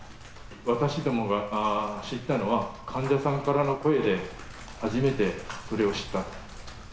私どもが知ったのは患者さんからの声で初めてそれを知った。